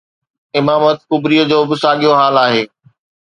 امامت ڪبريءَ جو به ساڳيو حال آهي.